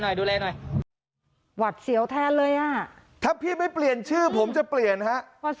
อยากถูกสวินภาคเหนือวะ